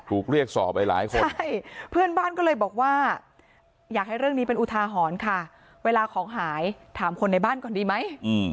เรียกสอบไปหลายคนใช่เพื่อนบ้านก็เลยบอกว่าอยากให้เรื่องนี้เป็นอุทาหรณ์ค่ะเวลาของหายถามคนในบ้านก่อนดีไหม